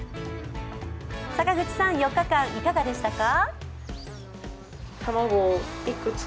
坂口さん、４日間いかがでしたか？